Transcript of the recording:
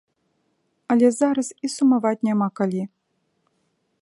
Але зараз і сумаваць няма калі.